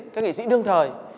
các nghệ sĩ đương thời